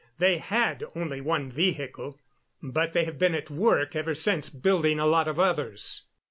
They had only one vehicle, but they have been at work ever since building a lot of others.